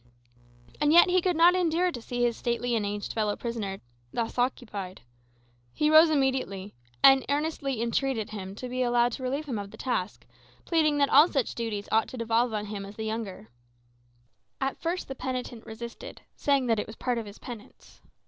And yet he could not endure to see his aged and stately fellow prisoner thus occupied. He rose immediately, and earnestly entreated to be allowed to relieve him of the task, pleading that all such duties ought to devolve on him as the younger. At first the penitent resisted, saying that it was part of his penance.